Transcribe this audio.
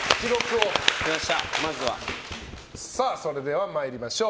それでは参りましょう。